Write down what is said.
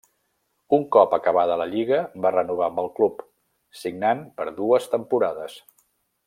Un cop acabada la lliga va renovar amb el club, signant per dues temporades.